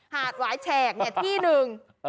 หาดหวายแฉกเนี่ยที่หนึ่ง